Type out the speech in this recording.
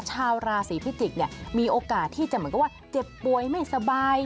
ชาวราศีพิจิกษ์มีโอกาสที่จะเหมือนกับว่าเจ็บป่วยไม่สบาย